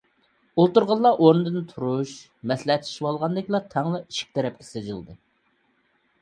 ئولتۇرغانلار ئورنىدىن تۇرۇپ، مەسلىھەتلىشىۋالغاندەك تەڭلا ئىشىك تەرەپكە سىلجىدى.